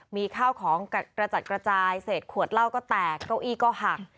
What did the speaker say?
มีข้าวของกระจัดกระจายเศษขวดเหล้าก็แตกเก้าอี้ก็หัก